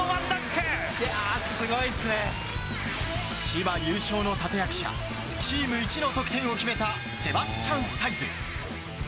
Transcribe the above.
千葉優勝の立役者チームいちの得点を決めたセバスチャン・サイズ。